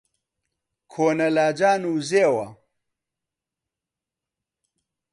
کۆنە لاجان و زێوە